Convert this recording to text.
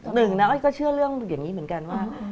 หนึ่งนะอ้อยก็เชื่อเรื่องอย่างนี้เหมือนกันว่า